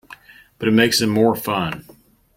But it makes them more fun!